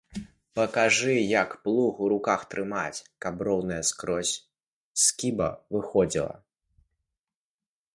Пакажы, як плуг у руках трымаць, каб роўная скрозь скіба выходзіла.